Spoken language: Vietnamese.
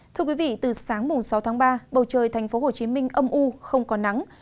thưa quý vị từ sáng mùng sáu tháng ba bầu trời tp hcm âm u không có nắng